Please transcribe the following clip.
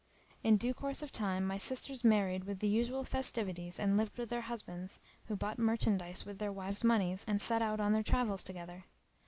In due course of time my sisters married with the usual festivities and lived with their husbands, who bought merchandise with their wives monies and set out on their travels together.